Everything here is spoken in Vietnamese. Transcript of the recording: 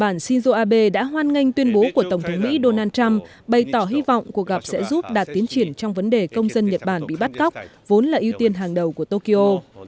những tuyên bố của tổng thống mỹ donald trump bày tỏ hy vọng cuộc gặp sẽ giúp đạt tiến triển trong vấn đề công dân nhật bản bị bắt cóc vốn là ưu tiên hàng đầu của tokyo